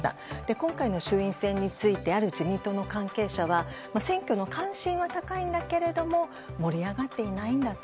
今回の衆院選についてある自民党の関係者は選挙の関心は高いけれども盛り上がっていないんだと。